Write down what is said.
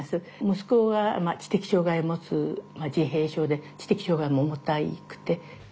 息子が知的障害をもつ自閉症で知的障害も重たくて。